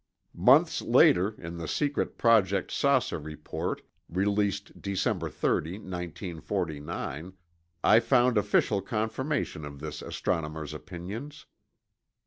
Months later, in the secret Project "Saucer" report released December 30, 1949, I found official confirmation of this astronomer's opinions.